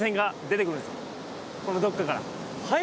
このどっかからはい？